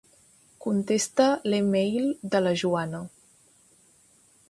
Contesta l'e-mail de la Joana.